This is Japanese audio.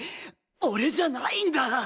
俺じゃないんだ。